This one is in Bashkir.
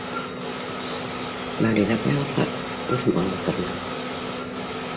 Мәүлиҙә апайығыҙға үҙем аңлатырмын.